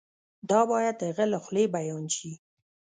دا باید د هغه له خولې بیان شي.